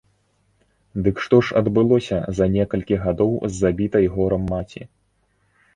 Дык што ж адбылося за некалькі гадоў з забітай горам маці?